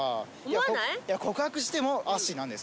告白しても、アッシーなんです。